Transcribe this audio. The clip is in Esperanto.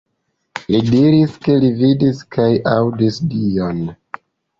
Li diris ke li vidis kaj aŭdis Dion.